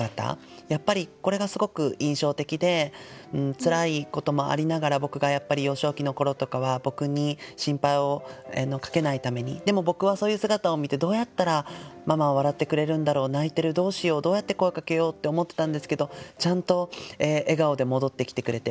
やっぱりこれがすごく印象的でつらいこともありながら僕がやっぱり幼少期の頃とかは僕に心配をかけないためにでも僕はそういう姿を見てどうやったらママは笑ってくれるんだろう泣いてるどうしようどうやって声かけようって思ってたんですけどちゃんと笑顔で戻ってきてくれて。